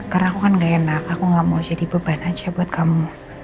karena aku kan gak enak aku gak mau jadi beban aja buat kamu